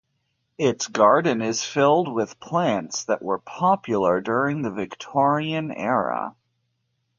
Its garden is filled with plants that were popular during the Victorian era.